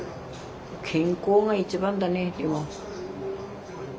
健康が一番だねでも。